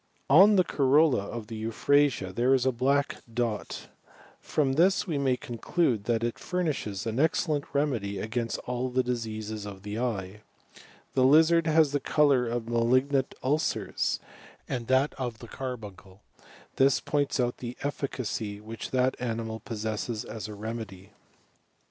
On the coioUa of the eu there is a black dot ; firom this we mav coDclade it furnishes an excellent remedy against all the eye. The lizard has the colour of malignant «lcei% and of the carbuncle; this points out the eflicacy which that animal possesses as a remedy.